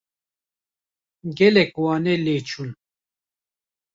Gelek wane lê çûn.